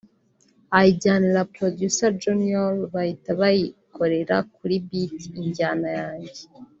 ayijyanira producer Junior bahita bayikorera kuri beat (injyana) yanjye